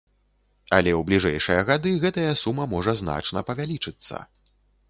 Але ў бліжэйшыя гады гэтая сума можа значна павялічыцца.